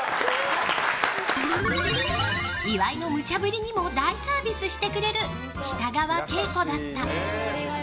岩井のむちゃ振りにも大サービスしてくれる北川景子だった。